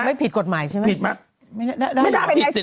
ไม่ผิดกฎหมายใช่ไหม